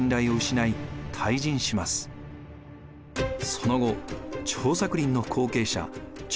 その後張作霖の後継者張